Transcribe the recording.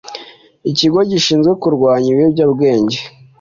ikigo gishinzwe kurwanya ibiyobyabwenjye